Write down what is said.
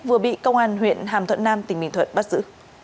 vừa bị công an huyện hàm thuận nam tỉnh bình thuận bắt giữ